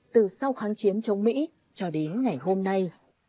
từ sau kháng chiến chống mỹ cho đến ngày hôm nay